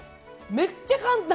めっちゃ簡単！